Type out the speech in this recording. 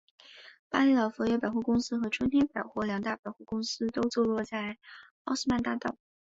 巴黎老佛爷百货公司和春天百货两大百货公司都坐落在奥斯曼大道。